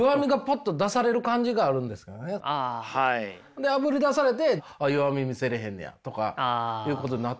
であぶり出されてあっ弱み見せれへんねやとかいうことになってくると思うんすけどね。